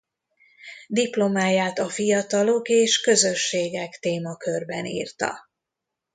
Diplomáját a fiatalok és közösségek témakörben írta.